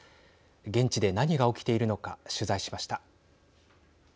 現地で何が起きているのか取材しました。